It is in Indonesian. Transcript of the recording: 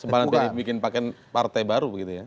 sempalan dari bikin pakaian partai baru begitu ya